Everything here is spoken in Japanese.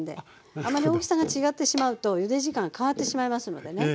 あんまり大きさが違ってしまうとゆで時間変わってしまいますのでね。